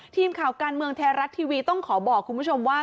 ทีมข่าวการเมืองไทยรัฐทีวีต้องขอบอกคุณผู้ชมว่า